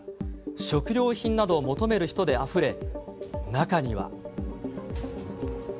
食料品などを求める人であふれ、中には。